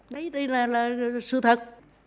đây là sự thật